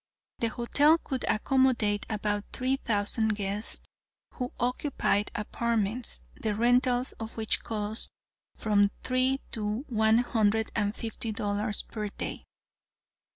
The hotel could accommodate about three thousand guests, who occupied apartments, the rentals of which cost from three to one hundred and fifty dollars per day.